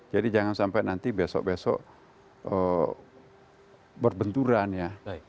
jadi jangan sampai nanti besok besok berbenturan ya